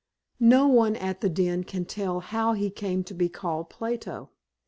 No one at The Den can tell how he came to be called Plato.